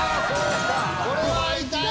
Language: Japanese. これは痛い！